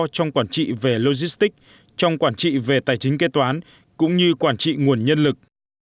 trong quản trị về logistics trong quản trị về tài chính kế toán cũng như quản trị nguồn nhân lực